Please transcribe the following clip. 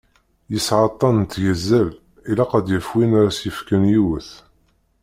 Yesɛa aṭṭan n tgeẓẓal, ilaq ad d-yaf win ara s-yefken yiwet.